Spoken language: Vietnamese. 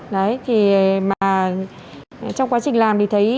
đấy mà trong quá trình làm thì thấy